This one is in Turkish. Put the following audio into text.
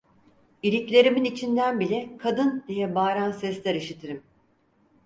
İliklerimin içinden bile "Kadın!" diye bağıran sesler işitirim.